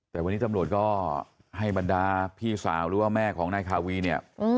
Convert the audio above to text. แต่วันนี้ตำรวจก็ให้บรรดาพี่สาวหรือว่าแม่ของนายคาวีเนี่ย